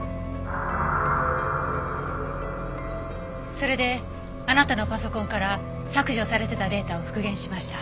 それであなたのパソコンから削除されていたデータを復元しました。